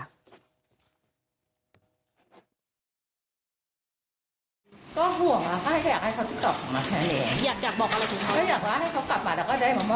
ก็ห่วงค่ะก็อยากให้เขาติดต่อมา